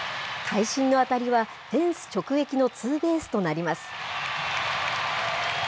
会心の当たりは、フェンス直撃のツーベースとなります。